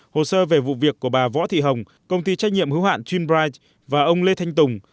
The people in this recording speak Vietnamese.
hồ sơ về vụ việc của bà võ thị hồng công ty trách nhiệm hữu hạn thunbright và ông lê thanh tùng